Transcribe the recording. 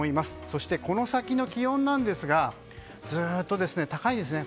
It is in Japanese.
そしてこの先の気温ですがずっと高いんですね。